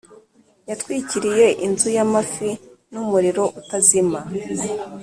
yatwikiriye inzu y'amafi n'umuriro utazima,